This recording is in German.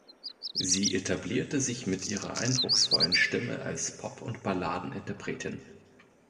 Sie etablierte sich mit ihrer „eindrucksvollen Stimme als Pop- und Balladen-Interpretin“.